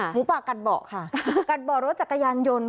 หมูป่ากัดเบาะค่ะกัดเบาะรถจักรยานยนต์